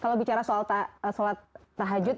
kalau bicara soal suatah hajut